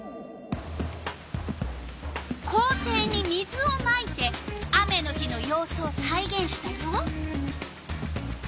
校庭に水をまいて雨の日のようすをさいげんしたよ。